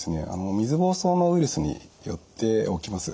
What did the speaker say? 水ぼうそうのウイルスによって起きます。